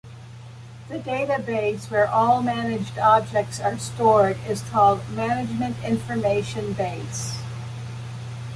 The database, where all managed objects are stored, is called Management Information Base.